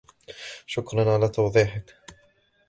شكراً علي توضيحك.